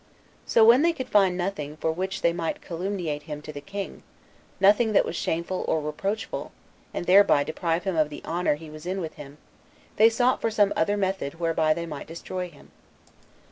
So when they could find nothing for which they might calumniate him to the king, nothing that was shameful or reproachful, and thereby deprive him of the honor he was in with him, they sought for some other method whereby they might destroy him.